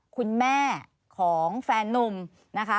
คุณแม่ของแฟนนุ่มนะคะ